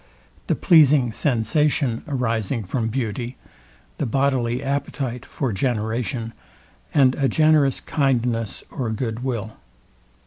The pleasing sensation arising from beauty; the bodily appetite for generation; and a generous kindness or good will.